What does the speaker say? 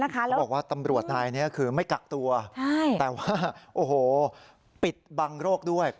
เขาบอกว่าตำรวจนายนี้คือไม่กักตัวแต่ว่าโอ้โหปิดบังโรคด้วย